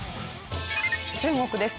中国です。